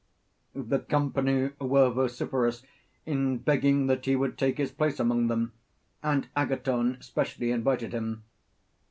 The company were vociferous in begging that he would take his place among them, and Agathon specially invited him.